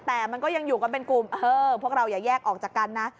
แต่มันก็ยังอยู่กันเป็นกลุ่มพวกเราอย่าแยกออกจากกันนะ